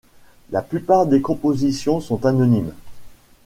La plupart des compositions sont anonymes.